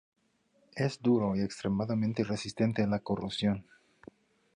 Es duro y extremadamente resistente a la corrosión.